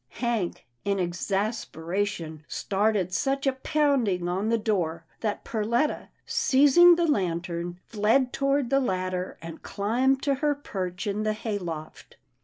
Hank, in exasperation, started such a pounding on the door that Perletta, seizing the lantern, fled toward the ladder, and climbed to her perch in the hay loft.